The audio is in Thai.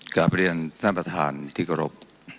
กลับเรียนท่านประธานที่กรบ